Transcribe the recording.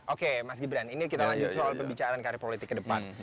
oke mas gibran ini kita lanjut soal pembicaraan karir politik ke depan